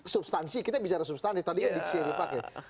substansi kita bicara substansi tadinya diksi dipakai